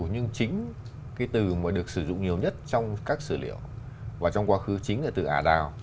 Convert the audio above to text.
nhưng chính cái từ mà được sử dụng nhiều nhất trong các sử liệu và trong quá khứ chính là từ ả đào